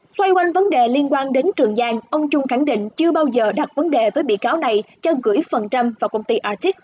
xoay quanh vấn đề liên quan đến trường giang ông trung khẳng định chưa bao giờ đặt vấn đề với bị cáo này cho gửi phần trăm vào công ty atic